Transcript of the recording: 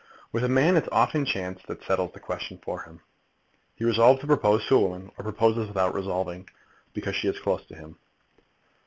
With a man it is often chance that settles the question for him. He resolves to propose to a woman, or proposes without resolving, because she is close to him.